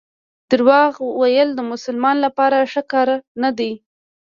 درواغ ویل د مسلمان لپاره ښه کار نه دی.